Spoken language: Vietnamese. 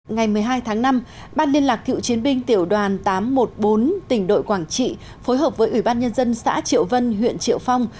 ngày một mươi hai tháng năm ban liên lạc cựu chiến binh tiểu đoàn tám trăm một mươi bốn tỉnh đội quảng trị phối hợp với ủy ban nhân dân xã triệu vân huyện triệu phong